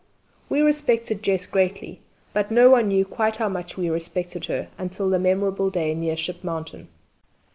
We respected Jess greatly; but no one knew quite how much we respected her until the memorable day near Ship Mountain.